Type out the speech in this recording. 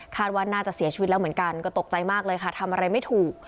ว่าน่าจะเสียชีวิตแล้วเหมือนกันก็ตกใจมากเลยค่ะทำอะไรไม่ถูก